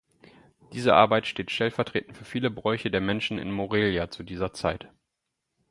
Diese Arbeit steht stellvertretend für viele Bräuche der Menschen in Morelia zu dieser Zeit.